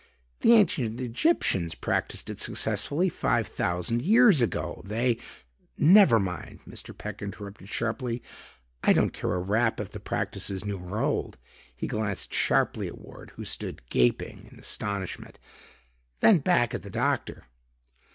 "The ancient Egyptians practiced it successfully five thousand years ago. They...." "Never mind," Mr. Peck interrupted sharply. "I don't care a rap if the practice is new or old." He glanced sharply at Ward, who stood gaping in astonishment, then back at the doctor.